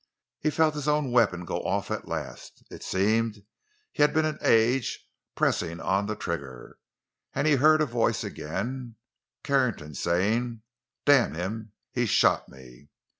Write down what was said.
He felt his own weapon go off at last—it seemed he had been an age pressing on the trigger—and he heard a voice again—Carrington's—saying: "Damn him; he's shot me!"